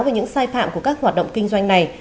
về những sai phạm của các hoạt động kinh doanh này